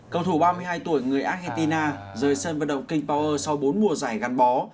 cầu thủ ba mươi hai tuổi người argentina rời sân vận động king power sau bốn mùa giải gắn bó